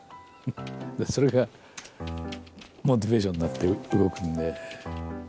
それがモチベーションになって動くんで。